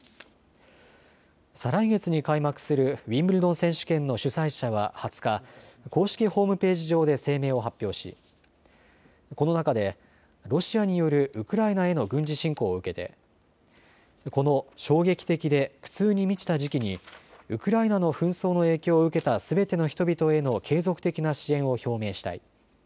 再来月に開幕するウィンブルドン選手権の主催者は２０日、公式ホームページ上で声明を発表しこの中でロシアによるウクライナへの軍事侵攻を受けてこの衝撃的で苦痛に満ちた時期にウクライナの紛争の影響を受けたすべての人々への継続的な支援を表明したい。